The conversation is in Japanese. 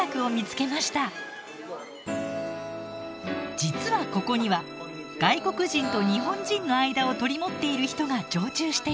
実はここには外国人と日本人の間を取り持っている人が常駐しています。